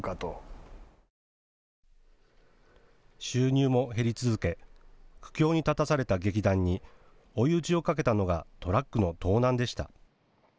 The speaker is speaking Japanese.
収入も減り続け苦境に立たされた劇団に追い打ちをかけたのがトラックの盗難でした。